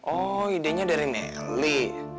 oh idenya dari melly